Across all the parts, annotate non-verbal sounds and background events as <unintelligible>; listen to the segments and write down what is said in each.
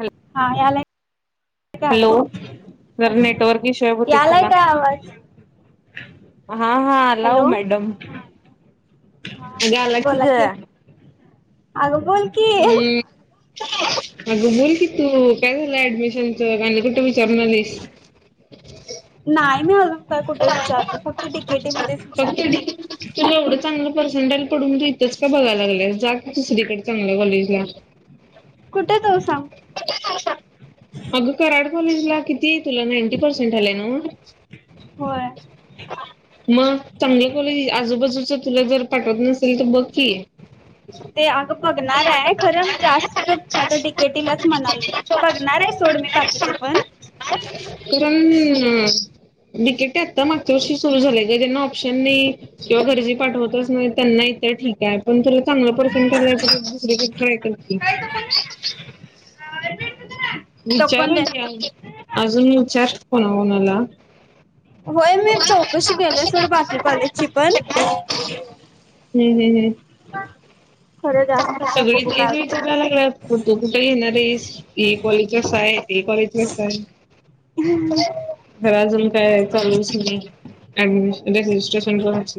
Hello हा याला का हॅलो आवाज? जर हॅलो, नेटवर्क इश्यू आहे बहुतेक यालाय तुला काय आवाज? हा हा, आला ओ हॅलो मॅडम. गेला की ग. आलोच. हम्म, मग अग बोल की तू काय झालं ऍडमिशन च कुठ? जर्नलिस्ट. नाही अजून काय कुठ विचारल, फक्त डी के टी ई मध्येच विचारलं. पर्सेंटाइल पडून तू इथंच का बघाय लागल्यास जा दुसरीकडे चांगलं कॉलेजला. कुठे जाऊ सांग? अगं कराड कॉलेजला किती हाय तुला नाईंटी पर्सेंटाइल हाय नव्हवं? होय मग, चांगल्या कॉलेज आजूबाजूच तुला जर पाठवत नसतील तर बघ की. ते अगं बघणार आहे, खरं जास्त आता डी के टी ई लाच म्हणालोय बघणार आहे सोड सोड मी बाकीच पण पुरण डी के टी ई आता मागच्या वर्षी सुरू झालेय का त्यांना ऑप्शन नाही किंवा गरजे पाठवतच नाही त्यांना इथं ठीक आहे पण चांग पर्सेंट करायच दुसरकडे ट्राय करते का विचार घ अजून विचारष्ट कोणा कोणाला होय मी चौकशी केलीय सथोड बाकी कॉलेजची पण हम् हम् हम खरं जास्त आता सगळे बघू काय तेच होते विचारायला लागणार क तो कुठे येणार आहेस कॉलेजस आहे ते कॉलेज कस आहे हम घर अजून काय चालूच नाही ऍडमिश रजिस्ट्रेशन करच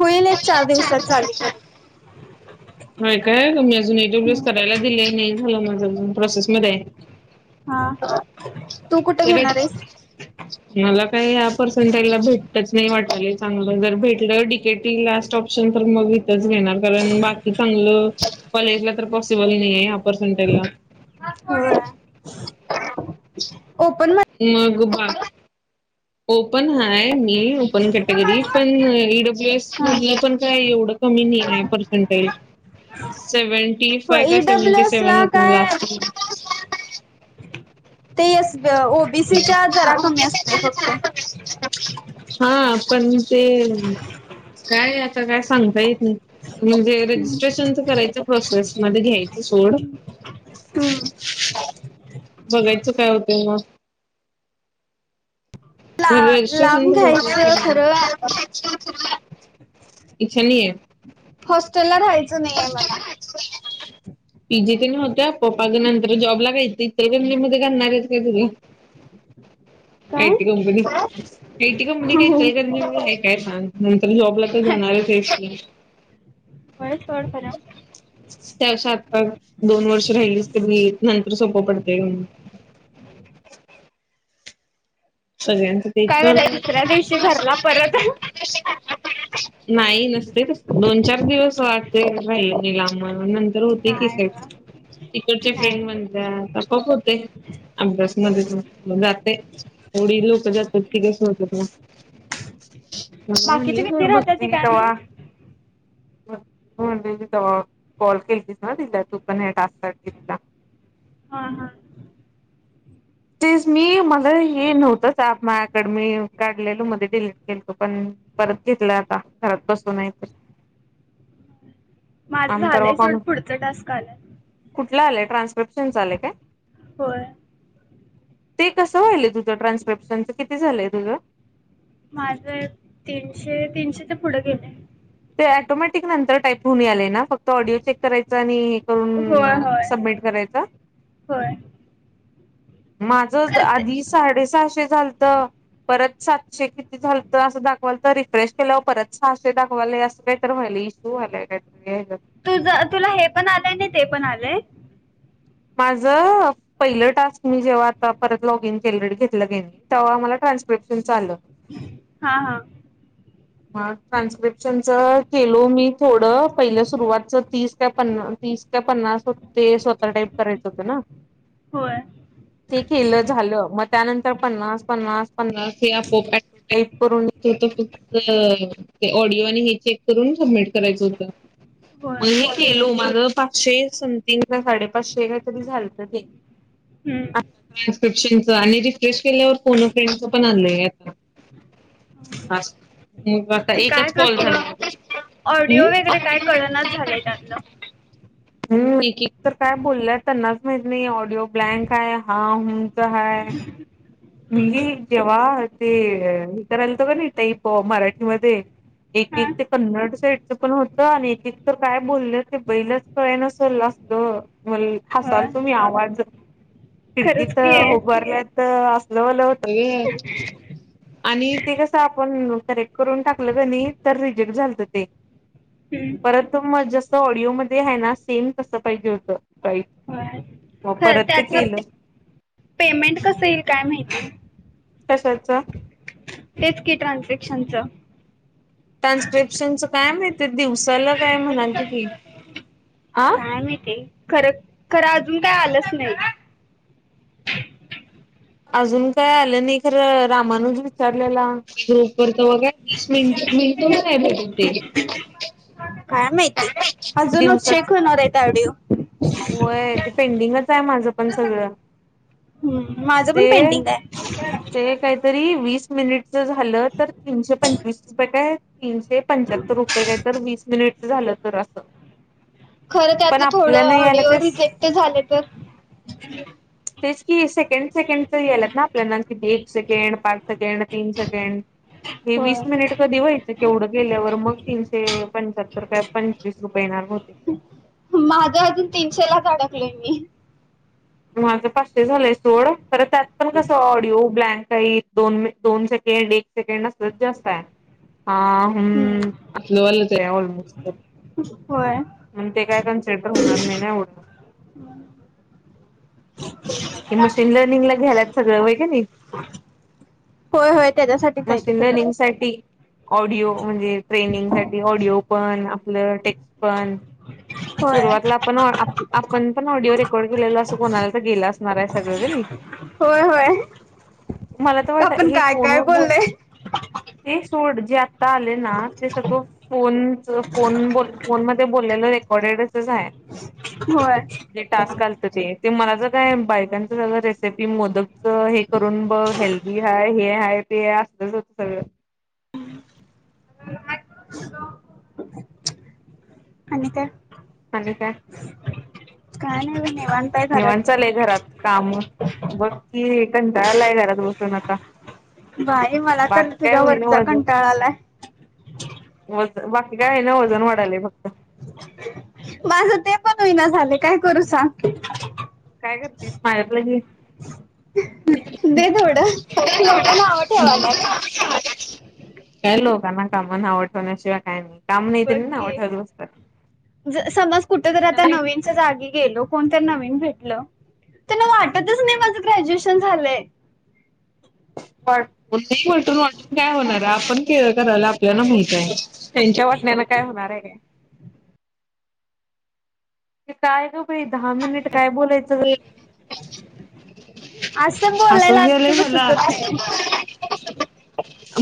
होईल एक चार दिवसात चाली म हय काय तुम्ही अजून ए टब्ल्यूस करायला दिले नाही झालं माझं अजून प्रोसेसमध्येध्ये आहे हा तू कुठे तर घेणार आहेस मला काही ह पर्सेंटेज ला भेट नाही वाटल चांगलं जर भेटलं टिकेटी लास्ट ऑप्शन तर मग इथच घेणार कारण बाकी चांगलं कॉलेजला तर पॉसिबल नाही होय. ओपन म ह ओपन हाय मी ओपन कॅटेगरी पण ईडब्ल्यू एस मध्ये हा. मधलं पण काय एवढं क नाही पसेंटेज से हो फा ईडब्ल्यू सेव्हंटी एस सेव्हन ला होत म काय ते अस फक्त हा पण ते काय आता काय सांगता येत नाही म्हणजे रेजिस्ट्रेशनच करायच प्रोसेस मध्ये घ्यायच हम् बघायचं काय होत म ला लांब रेजस््रेशन घ्यायचं खरं इच्छा नाही आहे हॉस्टेलला राहायचं नाही आहे मला पीजी होत्या पपा नंतर जॉबला काायचथ फॅमली मध्ये करणार आहे काय तु काय? आयटी कंपनी आयटी कंपनी होय काही काय सांग तर जॉबला तर जाणार वळच वड फरा त्या आता दोन वर्ष राहिलीच त मी नंतर सोखपडते सगळ्यांचं ते काय तर करायचं दुसऱ्या दिवशी घरला परत नाही नसतेस दोन चार दिवस वाटते राहिले नि लांबूनंतर तर होते की नाही गं. तिकडचे नाही फ्रेंड म्हणत होप होते अभ्यास म जाते थोडी लोक जातात त कस नत ह म्हणे बाकीचे थोड किती राहतात ते बघती काय तवा माहित हम म्हण त कॉल केतीस ना तिला तू पण हे टास्क तिला हा हा तेज मी मला हे नव्हतंच माकड मी काढलेलो मध्ये डिलीट केलो पण परत घेतलं आता घरात बसून तर माझं आम्ही परवा झालंय थोडं कोण पुढचं टास्क आलंय कुठला आलेय ट्रान्स्क्रिप्शन चा आले काय हो ते कसं व्हालय तुझं ट्रान्स्क्रिप्शनच किती झालंय तुझं माझ तीनशे तीनशे ते पुढे गेलंय ते ऑटोमॅटिक नंतर टाईप होऊन आलेला ना फक्त ऑडिओ चेक करायचा आणि करून होय होय सबमिट करायचा होय माझ खरंच ते आधी साडे सहाशे झालत परत सातशे किती झालत असं दाखवाल तर रिफ्रेश केल्यावर परत सहाशे दाख वाले असं काहीत व्हाले इशू झालंय काहीतरी तुझ तुला हे पण आलंय ना ते पण आलंय माझ पहिलं टास्क मी जेव्हा आता पर लॉग इन केरेडी घेतलं गे ते्हा मला ट्रान्सस्क्रीप्शनचं आलं हा हा <inaudible> मग ट्रान्स्क्रिप्शन च केलो मी थोड पहिलं सुरुवातच तीस ते पन् तीस पन्नास ते स्वतः टाईप करायच होत ना होय ते केलं झालं मग त्यानंतर पन्नास पन्नास पन्नास हे आपोप टाईप करून फक् ते ऑडिओ आणि हे चेक करून सबमिट करायचं होतं होय मण हे तेच केलो माझं पाचशे समतीिंग साडेपा पाचशे का तरी झालंत ते हम्म ट्रान्स्क्रिप्शनच आणि रिफ्रेश केल्यावर फोन फ्रेंडच पण आलंय आता हा बस ते काय एकच कॉल कसलं झाला ऑडिओ वगैरे काय कळनाच झालंय त्यातलं ह् म तर काय बोललय त्यांनाच माहित नाही ऑडिओ ब्लँक आहे हा हंचय ह मी जेव्हा केलतो कणी का नाही टईप मराठीमध्ये एक हा एक ते कन्नड साईडचं पण होतं आणि एक एक तर काय बोललं ते बैलच कळ न सर असल म होय हसलतो तुम्ही आवाज खरंच खिडकीत की उभारल्यात असलंवालं होत आणि ते कसं आपण करेक्ट करून टाकलं का नाही तर रिजेक्ट झालत ते हम्म परत जास्त ऑडिओमध्ये आहे ना सेम कस पाहिजे होत राईट ह त्याचं पेमेंट कसं येईल काय माहिती कशाच तेच की ट्रान्सस्क्रीप्शनचं ट्रान्स्क्रिप्शनच काय माहिती दिवसाला काय म्हणाते की ह का मी ते खरं खरं अजून काय आलंच नाही अजून काय आलं नाही खर रामानुज विचारलेला ग्रुप व बघीस मिनट मी तुम काय भेटते काय माहिती अजूनच दिवसाच चेक होणार आहेेत ऑडिओ होय ते पेंडिंगच आहे माझं पण सगळं माझं पण पेंडिंग आहे तरी वीस मिनिटचं झालं तर तीनशे पंचवीस रुपये काय तीनशे पंच्याहत्तर रुपये काय तर वीस मिनिट झालं तर असं खरं पण त्यातलं थोडं आपल्याला यायला ऑडिओ ते रिजेक्ट झाले तर तेच की सेकंड सेकंड यालात ना आपल्याला कि एक सेकंड पाच सेकंड तीन सेकंड हे होय वीस मिनिट कधी व्हायचं केवढं गेल्यावर मग तीनशे पंच्याहत्तर पंचवीस रुपये होते माझं अजून तीनशे ला काडकलोय मी, माझं पाचशे झालंय. सोड तर त्यात पण कस ऑडिओ ब्लँक दोन दोन सेक ड एक सेकंड असतच जास्त आहे. हा हम्म असल वालच आहे ऑलमोस्ट, तर. होय. ते काय कन्सिडर होणार नाही. ना एवढं, मशीन लर्निंग ला घ्यालात सगळं वैय का नाही. होय होय त्याच्यासाठीच आहे ते मस्िंद सगळं निमसाठी, ऑडिओ म्हणजे ट्रेनिंग साठी, ऑडिओ पण आपलं टेक्स्ट पण. सुरुवातला होय आपण, आपण पण ऑडिओ रेकॉर्ड केलेल, असं कोणाला तर गेलं असणार आहे. सगळं का नाही. होय होय मला तर वाटत आपण हे काय काय फोनवर बोल बोललोय ते, सड जे आता आले ना ते सगळं फोन फोन ब फोन म बोलले. डसच आहे, होय, जे टास्क आलत ते मला तर काय बायकांच सगळ रेसिपी मोदकच हे करूबघ हेल्दी हाय, आहे ते अस सुद्धच होत सगळं. आणि काय आणि काय, काय नाही बघ, निवांत आहे निवतं घरात चालय घरात. काम बक्की कंटाळलाय घरात बसून आता. भाई मला तर बाकी काय तुझ्या वरचा कंटाळा आलाय, व बाकी काय आहे ना वजन वाढालेय फक्त माझं ते पण होईना झाले काय करू सांग. काय करते माझा काढलं घे. ट दे थोडं <unintelligible> लोक नावं ठेवाल्यात काय लोकान काम नाव ठेव ल्या शिवाय काय नाही, त्यांनी बघ नाव की ठेवायला बसल्यात, समज कुठेतरी आता नवीनच्या जागी गेलो कोणतरी नवीन भेट त्यानं वाटतच नाही, माझ ग्रॅज्युएशन झालंय. वाट नाही वाटून वाटून काय होणार आपण केलं. करायला आपल्याला माहिती आहे. त्यांच्या वाटण्यान काय होणार आहे काय, काय ग भाई दहा मिनिट काय बोलायचं, असं बोलायला हासून च आलं यालय की मग मला, सुचत नाही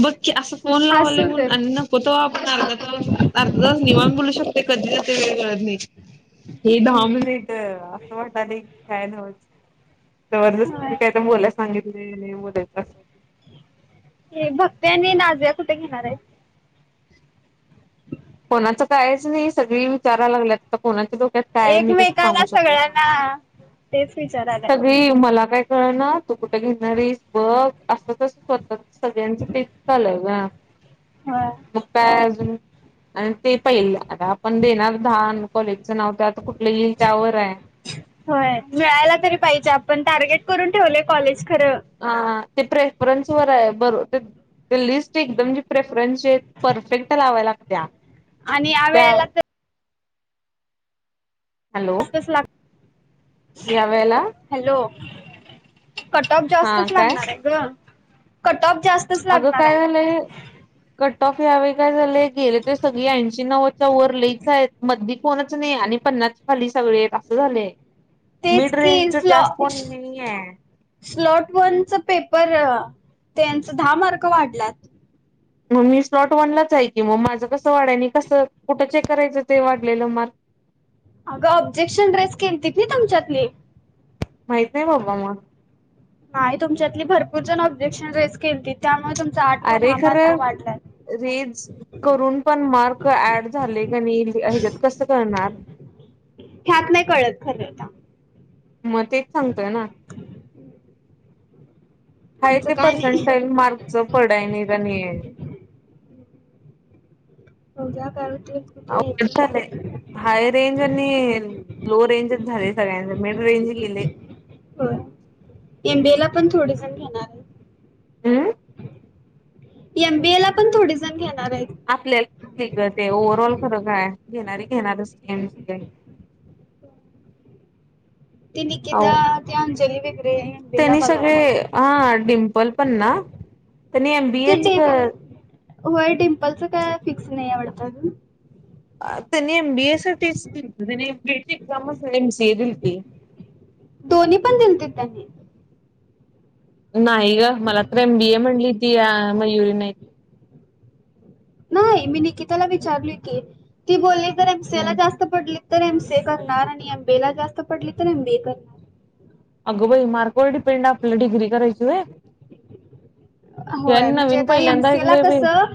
बघ क असं, फोन हसू लावाला म्हून तर आणि, नको त आपण अर्धा त अर्धा त निवतं बोलू शकते कधी, वे नाही हे हम्म. दहा मिनिट वाट काय नव्हच होय. जबरदस्तुही काय तर बोलाय च, सांगितले बोलायच अस, भक्ती आणि नाज्या कुठे घेणार आहेत? कोणाचं कायच नाही सगळी विचाराला लागल्यात आता कोणाचे दो, त्यात काय मी कस सांगू एकमेकाला शकते, स सगळ्यांना तेच विचारायला सगळी मला काय कळणार. तो कुठं घेणारेस बघ असच स्वतः सगळ्यांचं पिककालय ग. होय मग काय अजून, आणि ते पहिले आता आपण देणार दहा आणि कॉलेजचं नाव त्यात होय मिळाला तरी पाहिजे. आपण टार्गेट करून ठेवले कॉलेज, खरं हा ते प्रेफरन्स वर आहे. बरो लिस्ट एकदम प्रेफरन्स, परफेक्ट लावा लागतया. आणि या वेळेला तर, च लाग, यावेेला, कटऑफ जास्तच काय लागणार आहे ग. कट ऑफ जास्तच अगं लागणार काय आहे झालं क टफ यावे काय झाले गेले ते सगळी ऐंशी नव्वाच्या वर लईच आहेत मध्ये फोनच नाही आणि पन्ना खली सगळे असं झालंय तेच मिड कि रेंजच स्लॉ जास्त कोण नाहीये स्लॉट वनच पेपर त्त्यांच दहा मार्क वाढल्यात मग मी स्लॉट वनलाच आहे की मग माझं कसं वाढाय नाही कसं कुठं चेक करायचं ते वाढलेलं मार्ग अगं ऑब्जेक्शन रेस केल ती तिथं ना तुमच्यातले माहित नाही बाबा मग आणि तुमच्यातली भरपूर जण ऑब्जेक्शन रेस केल तीत त्यामुळे तुमचा आठ ते अरे दहा मार्क खरं वाढलाय रेज करून पण मार्क ऍड झाले का नाही हे कसं करणार ह्यात नाही कळत खरं ता मग तेच सांगतय ना हाय आमचं ते काय नाही पर्सेंटाल मार्कच पडाय नाहीत आणि पूजा करते किटली अवघड झालंय. घायची हाय रेंज आणि लो रेंजच झाले सगळ्यांचे मिड रेंज गेले. एमबी ला पण थोडे जण घेणार आहे हम्म एमबीए ला पण थोडी जण घेणार आहेत आपल्या आहे ओव्हरऑल खरं काय घेणारी घेणारच गेमस ती ओ निकिता व ती अंजली वगैरे एमबीए ला त्यांनी सगळे बघायला हा डिम्पल पण ना त्यांनी ते एमबीएच डेबी होय डिम्पलच काय फिक्स नाही आवडत त्यांनी एमबीए साठीच दिलत त्यांनी ए म पिये साठी एक्झाम च मसरल रिल्फी दोन्ही पण दिलते त्यांनी नाही ग मला तर एम बी ए म्हणली ती या मयुरी नाही नाही मी निकिताला विचारली की ती बोलली तर एमसला जास्त पडली तर एम स करणार आणि एम बी ला जास्त पडली तर एम बी करणार. अगो बाई मार्कोळ पेंड आपला डिग्री करायची होय होय म्हणजे आता एमसी ला ऐकलोय कसं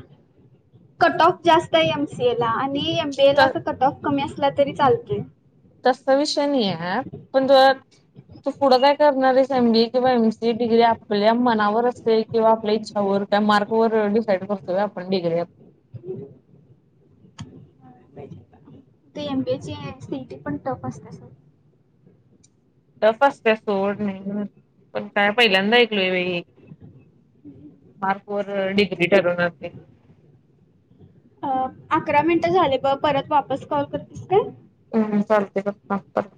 कट ऑफ जास्त आहे एमसीए ला आणि एमबीए ला बाई. तर कट ऑफ कमी असला तरी चालतय तसा विषय नाही आहे पण तुला तू पुढं काय करणार आहेस एम बी किंवा एमसी डिग्री आपल्या मनावर असेल किंवा आपल्या इच्छा व का मार्क ववर डिसाईड करतोय आपण डिग्री आपण हम् ते एमबीची सीट पण टप असत सर तफ असते सोड नाही पण काय पहिल्यांदा ऐकलोय बाई मार्क वर डिग्री ठरवणारे अकरा मिनिटं झाले बघ परत वापस कॉल करतीस काय हम् चालतय थांब करतो